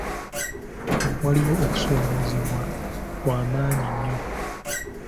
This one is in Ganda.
Waaliwo okusoomoozebwa kwa maanyi nnyo.